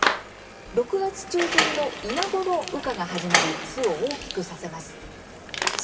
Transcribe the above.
６月中旬の今ごろ羽化が始まり巣を大きくさせます。